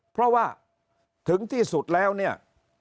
เพราะว่าถึงที่สุดแล้วเนี่ย